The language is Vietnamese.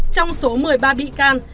trong số một mươi ba bị can